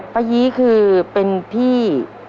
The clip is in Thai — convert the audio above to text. ป้ายีคือเป็นพี่